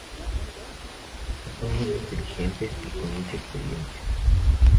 Estas son muy inteligentes y con mucha experiencia.